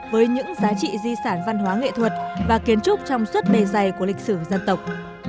với những giá trị di sản văn hóa nghệ thuật và kiến trúc trong suốt bề dày của lịch sử dân tộc